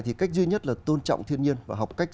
thì cách duy nhất là tôn trọng thiên nhiên và học cách